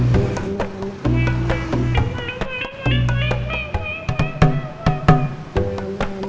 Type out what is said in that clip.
sampai jumpa lagi